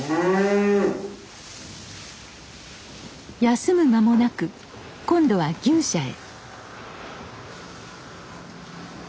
休む間もなく今度は牛舎へ。